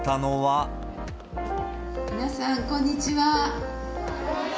皆さん、こんにちは。